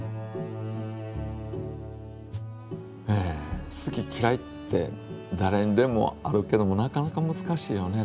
え好ききらいってだれにでもあるけどもなかなかむずかしいよね